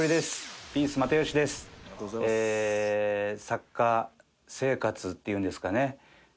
作家生活っていうんですかね。